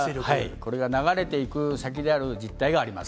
これが流れていく先である実態があります。